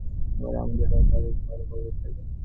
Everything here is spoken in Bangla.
এবারে আমাদের ও বাড়ির বড়োবাবু ফেল।